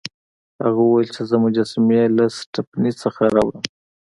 هغه وویل چې زه مجسمې له سټپني څخه راوړم.